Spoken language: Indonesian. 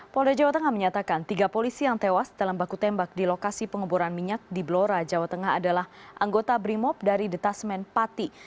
polda jawa tengah menyatakan tiga polisi yang tewas dalam baku tembak di lokasi pengeboran minyak di blora jawa tengah adalah anggota brimop dari detasmen pati